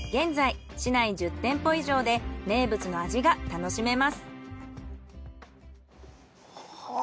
現在市内１０店舗以上で名物の味が楽しめます。